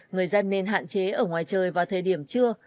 người dân nên hạn chế ở ngoài trời vào thời điểm trưa